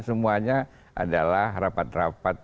semuanya adalah rapat rapat